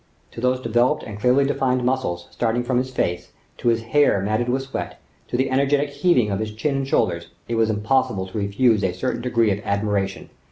To those developed and clearly defined muscles starting from his face, to his hair matted with sweat, to the energetic heaving of his chin and shoulders, it was impossible to refuse a certain degree of admiration.